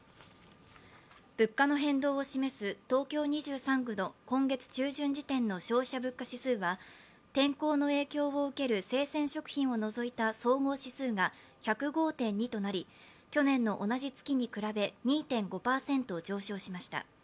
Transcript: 物価の変動を示す東京２３区の今月中旬時点の消費者物価指数は天候の影響を受ける生鮮食品を除いた総合指数が１０５．２となり去年の同じ月に比べ２．５％上昇しました。